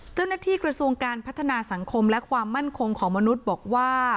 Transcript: เจ้าหน้าที่กระทรวงการพัฒนาสังคมและความมั่นคงของมนุษย์บอกว่า